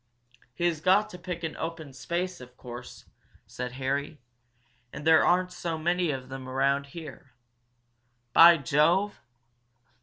"He's got to pick an open space, of course," said Harry. "And there aren't so many of them around here. By Jove!"